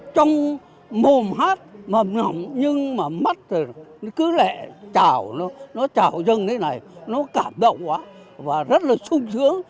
trong mồm hát mầm ngọng nhưng mà mắt cứ lẹ trào nó trào dâng thế này nó cảm động quá và rất là sung sướng